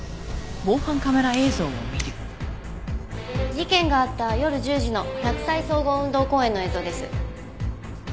事件があった夜１０時の洛西総合運動公園の映像です。